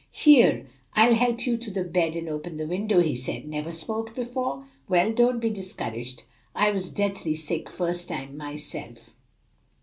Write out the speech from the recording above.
"Here, I'll help you to the bed and open the window," he said. "Never smoked before? Well, don't be discouraged; I was deathly sick first time myself."